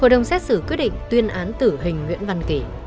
hội đồng xét xử quyết định tuyên án tử hình nguyễn văn kỳ